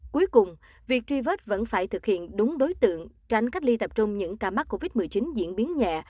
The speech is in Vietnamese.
cuối cùng việc truy vết vẫn phải thực hiện đúng đối tượng tránh cách ly tập trung những ca mắc covid một mươi chín diễn biến nhẹ